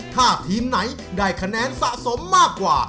ถ้าทีมไหนได้คะแนนสะสมมากกว่า